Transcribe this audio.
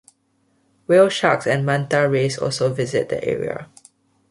Whale sharks and manta rays also visit the area.